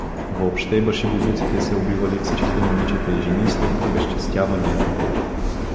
Въобще башибозуците са убивали всичките момичета и жени след обезчестяванието.